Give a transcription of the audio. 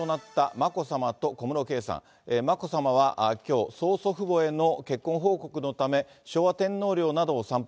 眞子さまはきょう、曽祖父母への結婚報告のため、昭和天皇陵などを参拝。